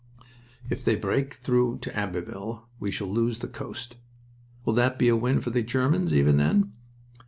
"If they break through to Abbeville we shall lose the coast." "Will that be a win for the Germans, even then?"